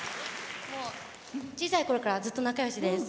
小さいころからずっと仲よしです。